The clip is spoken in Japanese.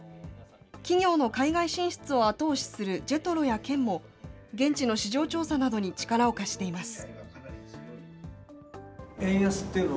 企業の海外進出を後押しするＪＥＴＲＯや県も、現地の市場調査などに力を貸しています。